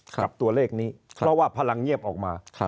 กับตัวเลขนี้เพราะว่าพลังเงียบออกมา